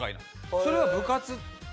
それは部活なの？